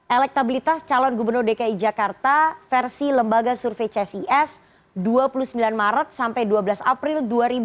elektabilitas calon gubernur dki jakarta versi lembaga survei csis dua puluh sembilan maret sampai dua belas april dua ribu dua puluh